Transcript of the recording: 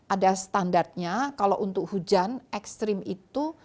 ada standarnya kalau untuk hujan ekstrim itu